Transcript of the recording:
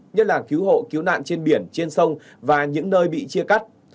nhất là cứu hộ cứu nạn trên biển trên sông và những nơi bị chia cắt